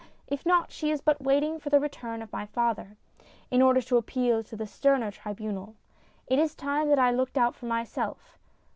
If not, she is but waiting for the return of my father, in order to appeal to the sterner tribunal. It is time that I looked out for myself.